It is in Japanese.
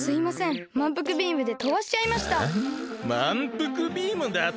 まんぷくビームだと！？